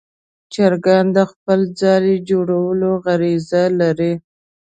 چرګان د خپل ځاله جوړولو غریزه لري.